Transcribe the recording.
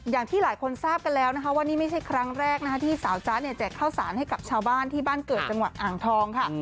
อย่างที่หลายคนทราบกันแล้วนะคะว่านี่ไม่ใช่ครั้งแรกนะคะที่สาวจ๊ะเนี่ยแจกข้าวสารให้กับชาวบ้านที่บ้านเกิดจังหวัดอ่างทองค่ะ